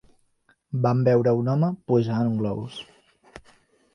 Vam veure un home pujar en un globus.